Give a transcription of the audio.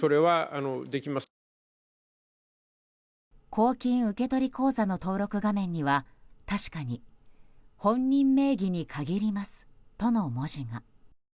公金受取口座の登録画面には確かに本人名義に限りますとの文字が。